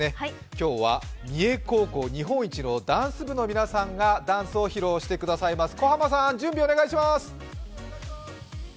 今日は三重高校、日本一のダンス部の皆さんがダンスを披露してくださいます。